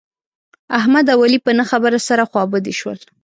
احمد او علي په نه خبره سره خوابدي شول.